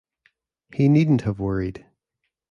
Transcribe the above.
He needn't have worried.